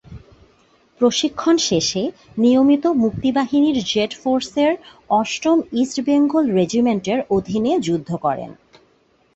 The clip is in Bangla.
প্রশিক্ষণ শেষে নিয়মিত মুক্তিবাহিনীর জেড ফোর্সের অষ্টম ইস্ট বেঙ্গল রেজিমেন্টের অধীনে যুদ্ধ করেন।